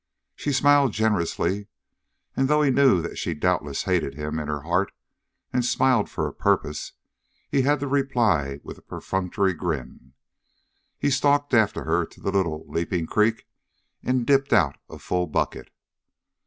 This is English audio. She smiled generously, and though he knew that she doubtless hated him in her heart and smiled for a purpose, he had to reply with a perfunctory grin. He stalked after her to the little leaping creek and dipped out a full bucket.